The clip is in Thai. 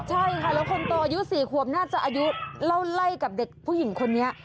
ใช่ค่ะแล้วคนโตอายุ๔ขวบน่าจะอายุเล่าไล่กับเด็กผู้หญิงคนนี้